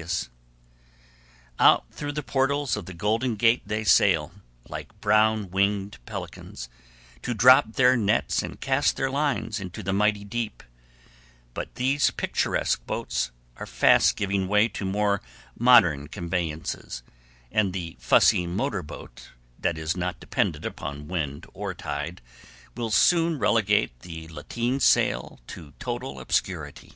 [Illustration: DRYING THE NETS] Out through the portals of the Golden Gate they sail, like brown winged pelicans, to drop their nets and cast their lines into the mighty deep; but these picturesque boats are fast giving way to more modern conveyances, and the fussy motorboat, that is not dependent upon wind or tide, will soon relegate the lateen sail to total obscurity.